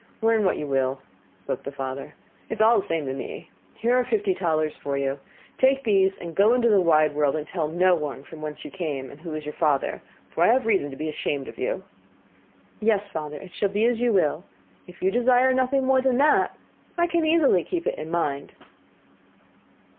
'Learn what you will,' spoke the father, 'it is all the same to me. Here are fifty talers for you. Take these and go into the wide world, and tell no one from whence you come, and who is your father, for I have reason to be ashamed of you.' 'Yes, father, it shall be as you will. If you desire nothing more than that, I can easily keep it in mind.